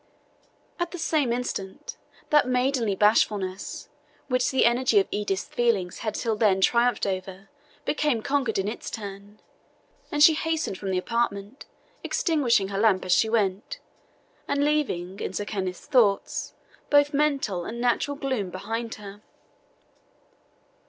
At the same instant, that maidenly bashfulness, which the energy of Edith's feelings had till then triumphed over, became conqueror in its turn, and she hastened from the apartment, extinguishing her lamp as she went, and leaving, in Sir Kenneth's thoughts, both mental and natural gloom behind her.